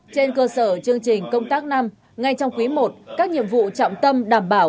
trên cơ sở chương trình công tác năm ngay trong quý i các nhiệm vụ trọng tâm đảm bảo